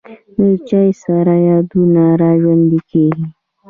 له چای سره یادونه را ژوندی کېږي.